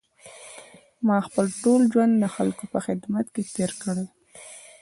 ما خپل ټول ژوند د خلکو په خدمت کې تېر کړی.